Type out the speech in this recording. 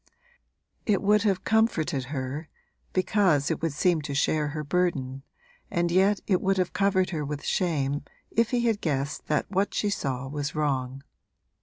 It would have comforted her (because it would seem to share her burden) and yet it would have covered her with shame if he had guessed that what she saw was wrong.